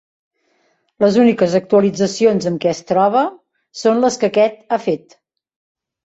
Les úniques actualitzacions amb què es troba son les que aquest ha fet.